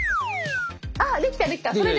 あっできたできた！